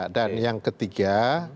dan yang ketiga